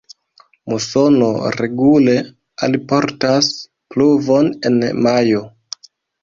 Musono regule alportas pluvon en majo.